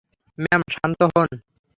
Ma'am, শান্ত হোন।